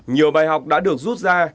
nhiều bài học đã được rút ra